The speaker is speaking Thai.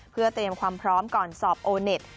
เพื่อเตรียมความพร้อมก่อนสอบโอเน็ต